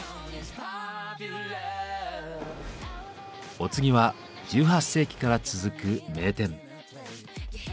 お次は１８世紀から続く名店。